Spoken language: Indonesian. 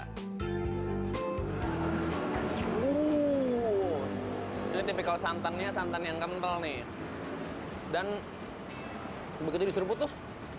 hmm ini tipikal santannya santan yang kental nih dan begitu diserbu tuh